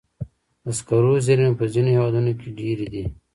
د سکرو زیرمې په ځینو هېوادونو کې ډېرې دي.